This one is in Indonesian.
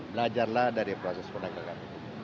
belajarlah dari proses penegakan